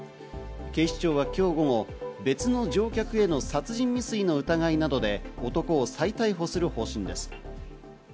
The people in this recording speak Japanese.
警視庁は今日午後、別の乗客への殺人未遂の疑いなどで男を再逮捕する方針です。